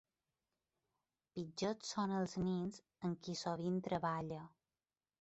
Pitjors són els nens amb què sovint treballa.